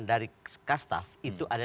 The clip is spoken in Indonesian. dari kaskas staff itu ada